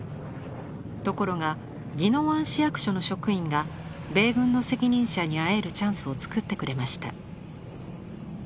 ところが宜野湾市役所の職員が米軍の責任者に会えるチャンスをつくってくれました。